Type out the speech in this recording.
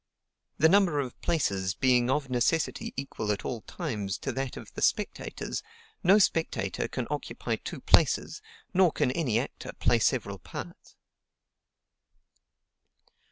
The number of places being of necessity equal at all times to that of the spectators, no spectator can occupy two places, nor can any actor play several parts; 3.